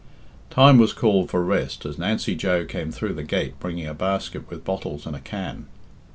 Time was called for rest as Nancy Joe came through the gate bringing a basket with bottles and a can.